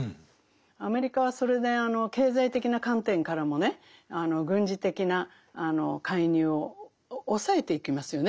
アメリカはそれであの経済的な観点からもね軍事的な介入を抑えていきますよね